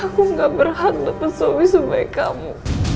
aku gak berhak dapet suami sebaik kamu